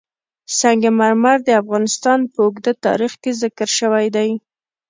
سنگ مرمر د افغانستان په اوږده تاریخ کې ذکر شوی دی.